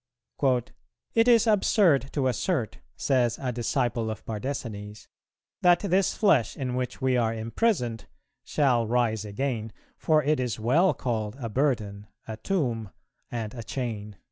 "It is absurd to assert," says a disciple of Bardesanes, "that this flesh in which we are imprisoned shall rise again, for it is well called a burden, a tomb, and a chain."